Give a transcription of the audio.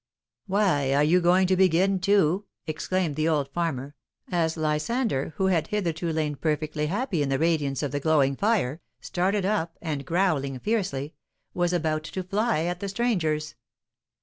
"Why, are you going to begin, too?" exclaimed the old farmer, as Lysander, who had hitherto lain perfectly happy in the radiance of the glowing fire, started up, and, growling fiercely, was about to fly at the strangers.